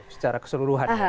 secara keseluruhan ya